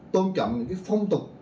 tôn trọng những phong tục